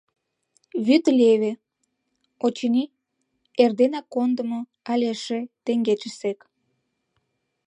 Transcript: Вӱд леве, очыни, эрденак кондымо але эше теҥгечысек.